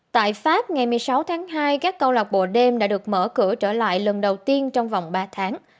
tại pháp ngày một mươi sáu tháng hai các câu lạc bộ đêm đã được mở cửa trở lại lần đầu tiên trong vòng ba tháng